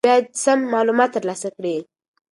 خلک باید سم معلومات ترلاسه کړي.